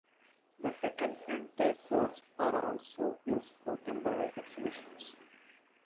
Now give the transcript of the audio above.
The second and third floors are also used for temporary exhibitions.